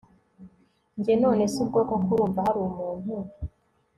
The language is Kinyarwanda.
Njye none se ubwo koko urumva hari umuntu